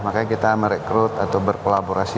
makanya kita merekrut atau berkolaborasi